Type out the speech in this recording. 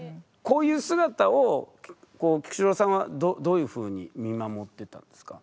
こういう姿を菊紫郎さんはどういうふうに見守ってたんですか？